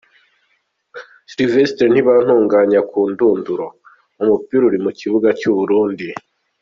Sylivestre Ntibantunganya, “Ku ndunduro, umupira uri mu kibuga cy’u Burundi”.